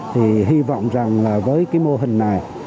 thì hy vọng rằng với mô hình này